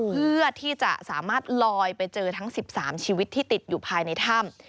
เพื่อที่จะสามารถลอยไปเจอทั้ง๑๓ชีวิตที่ติดอยู่ภายในถ้ำ